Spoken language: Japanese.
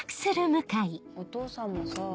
お父さんもさぁ。